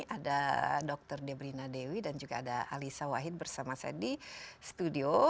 ada dr debrina dewi dan juga ada alisa wahid bersama saya di studio